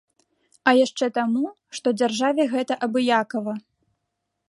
А яшчэ таму, што дзяржаве гэта абыякава.